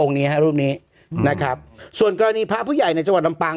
นี้ฮะรูปนี้นะครับส่วนกรณีพระผู้ใหญ่ในจังหวัดลำปาง